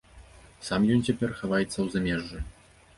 Сам ён цяпер хаваецца ў замежжы.